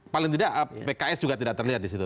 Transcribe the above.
paling tidak pks juga tidak terlihat disitu